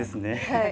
はい。